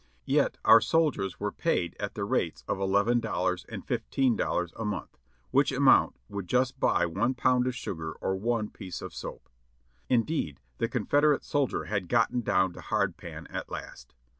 Yet our soldiers were paid at the rates of eleven dollars and fifteen dollars a month, which amount would just buy one pound of sugar or one piece of soap. Indeed, the Confederate soldier had gotten down to hardpan at last.